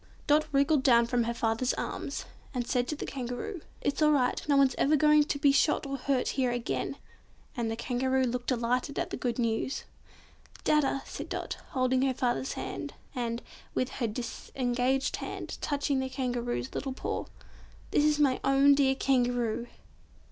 Dot wriggled down from her father's arms, and said to the Kangaroo, "It's all right; no one's ever going to be shot or hurt here again!" and the Kangaroo looked delighted at the good news. "Dadda," said Dot, holding her father's hand, and, with her disengaged hand touching the Kangaroo's little paw. "This is my own dear Kangaroo."